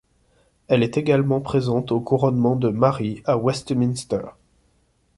Elle est également présente au couronnement de Marie à Westminster.